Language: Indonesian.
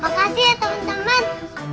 makasih ya teman teman